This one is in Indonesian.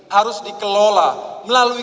harus dikelola melalui